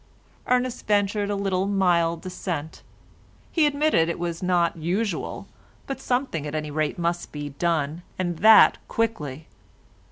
Ernest ventured a little mild dissent; he admitted it was not usual, but something at any rate must be done, and that quickly.